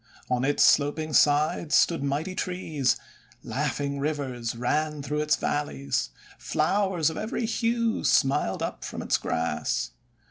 On its sloping sides stood mighty trees; laughing rivers ran through its valleys; flowers of every hue smiled up from its grass.